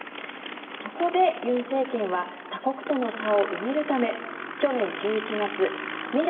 そこで尹政権は他国との差を埋めるため去年１１月未来